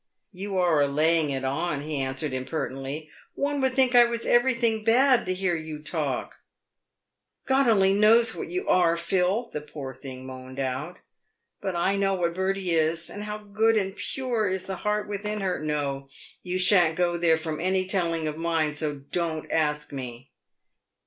" You are a laying it on," he answered impertinently ;" one would think I was everything bad to hear you talk." " God only knows what you are, Phil," the poor thing moaned out ; PAVED WITU GOLD. 123 " but I know what Bertie is, and how good and pure is the heart within her. No, you shan't go there from any telling of mine, so don't ask me."